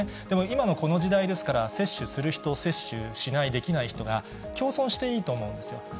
でも、今のこの時代ですから、接種する人、接種しない、できない人が共存していいと思うんですよ。